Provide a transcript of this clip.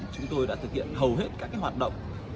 chúng tôi đã thực hiện hầu hết các hoạt động